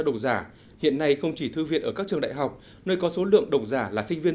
đồng giả hiện nay không chỉ thư viện ở các trường đại học nơi có số lượng độc giả là sinh viên